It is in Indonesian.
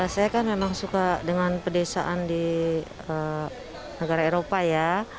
saya kan memang suka dengan pedesaan di negara eropa ya